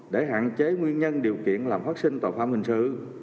để hạn chế nguyên nhân điều kiện làm phát sinh tội phạm hình sự